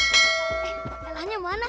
eh elahnya mana